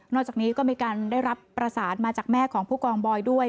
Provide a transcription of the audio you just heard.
จากนี้ก็มีการได้รับประสานมาจากแม่ของผู้กองบอยด้วย